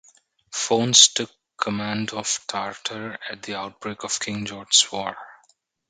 Fones took command of "Tartar" at the outbreak of King Georges War.